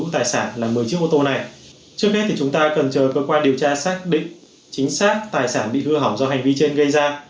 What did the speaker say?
trước hết thì chúng ta cần chờ cơ quan điều tra xác định chính xác tài sản bị hư hỏng do hành vi trên gây ra